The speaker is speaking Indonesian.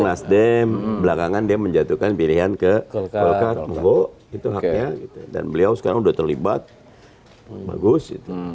nasdem belakangan dia menjatuhkan pilihan ke golkar mogok itu haknya dan beliau sekarang sudah terlibat bagus